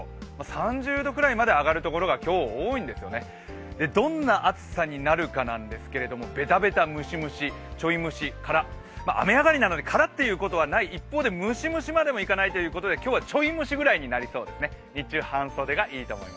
３０度ぐらいまで上がるところが今日多いんですよね、どんな暑さになるかなんですけど、ベタベタ、ムシムシ、ちょいムシ、カラッ、雨上がりなのでカラッということはない一方で、ムシムシまもいかないということで今日はちょいムシぐらいのようですよ。